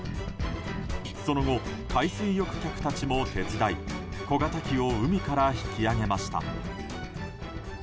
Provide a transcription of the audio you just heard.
その後、海水浴客たちも手伝い小型機を海から引き揚げました。